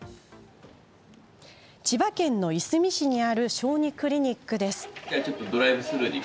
千葉県いすみ市にある小児クリニックです。